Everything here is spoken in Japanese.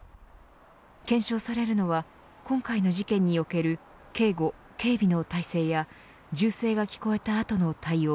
検証されるのは今回の事件における警護・警備の体制や銃声が聞こえたあとの対応